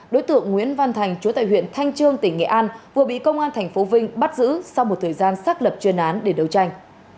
đối tượng nguyễn văn thành chú tại huyện thanh trương tỉnh nghệ an vừa bị công an tp vinh bắt giữ sau một thời gian xác lập chuyên án để đấu tranh